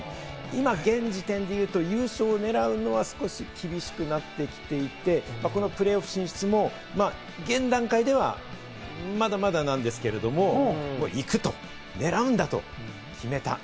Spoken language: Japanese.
今、現時点で言うと、優勝を狙うのは少し厳しくなってきていて、プレーオフ進出も現段階ではまだまだなんですけれども、行く、狙うんだと決めた。